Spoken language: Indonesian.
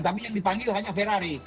tapi yang dipanggil hanya ferrari